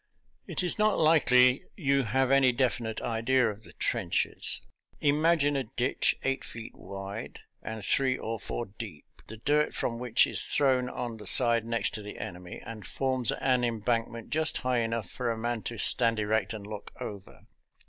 It is not likely you have any definite idea of the trenches. Imagine a ditch eight feet wide and three or four deep, the dirt from which is thrown on the side next to the enemy and forms an embankment just high enough for a man to stand erect and look over.